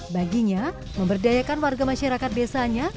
baginya memberdayakan warga masyarakat desanya